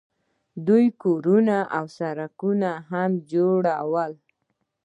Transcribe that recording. دوی کورونه او سړکونه هم جوړول.